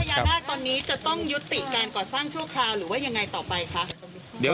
เจ้าเงินส่วน๑แสนบาท